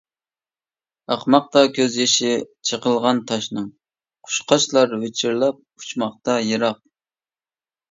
ئاقماقتا كۆز يېشى چېقىلغان تاشنىڭ، قۇشقاچلار ۋىچىرلاپ ئۇچماقتا يىراق.